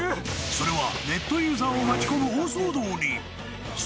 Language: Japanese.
それは、ネットユーザーを巻き込む大騒動に。